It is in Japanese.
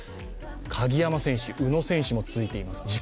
鍵山選手、宇野選手も続いています